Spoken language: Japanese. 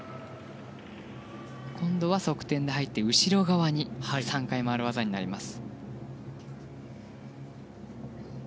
今度は側転で入って後ろ側に３回、回る技になります。